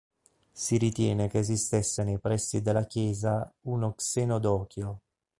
Si ritiene che esistesse nei pressi della chiesa uno xenodochio.